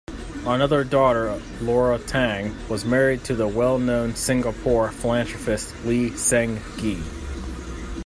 Another daughter Lora Tang was married to the well-known Singapore philanthropist Lee Seng Gee.